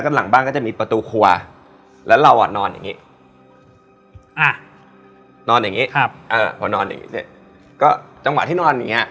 หลังบ้านจะมีประตูครัวแล้วเรานอนแบบนี้